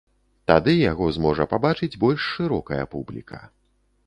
Тады яго зможа пабачыць больш шырокая публіка.